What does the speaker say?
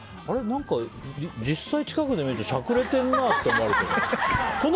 何か実際、近くで見るとしゃくれてんなって思われてる。